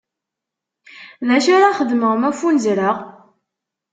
D acu ara xedmeɣ ma ffunezreɣ?